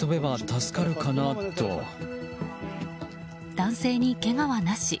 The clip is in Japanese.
男性に、けがはなし。